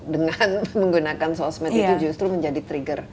dengan menggunakan sosial media itu justru menjadi trigger